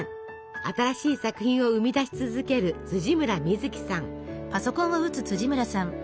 新しい作品を生み出し続ける村深月さん。